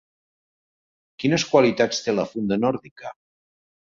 Quines qualitats té la funda nòrdica?